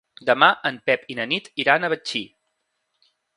Demà en Pep i na Nit iran a Betxí.